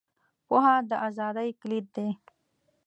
• پوهه، د ازادۍ کلید دی.